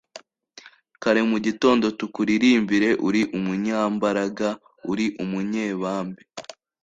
Kare mu gitondo tukuririmbire : uri umunyambaraga uri umunyebambe;